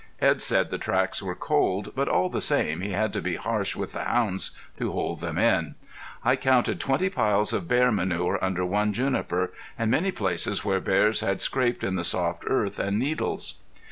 Edd said the tracks were cold, but all the same he had to be harsh with the hounds to hold them in. I counted twenty piles of bear manure under one juniper, and many places where bears had scraped in the soft earth and needles.